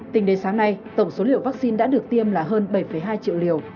tính đến sáng nay tổng số liều vaccine đã được tiêm là hơn bảy hai triệu liều